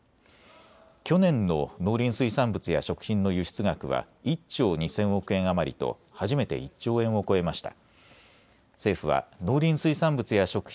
去年の農林水産物や食品の輸出額は、１兆２０００億円余りと、初めて１兆円を超えました。